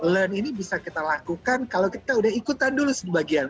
learned ini bisa kita lakukan kalau kita udah ikutan dulu sebagian